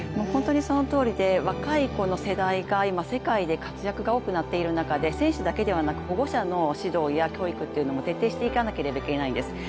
本当にそのとおりで若い子の世代が今、世界で活躍が多くなっている中で、選手だけじゃなく保護者の指導や教育も徹底していかなければいけないんです。